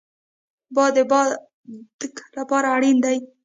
باد د بادک لپاره اړین دی